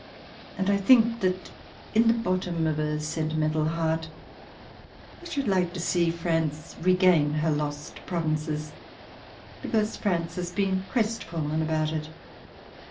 And I think that, in the bottom of a sentimental heart, I should like to see France regain her lost provinces, because France has been crest fallen about it.